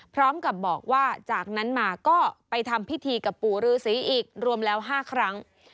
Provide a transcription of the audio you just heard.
พร้อมกับบอกว่าจากนั้นมาก็ไปทำพิธีกับปู่ฤษีอีกรวมแล้ว๕ครั้ง